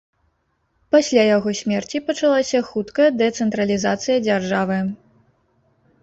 Пасля яго смерці пачалася хуткая дэцэнтралізацыя дзяржавы.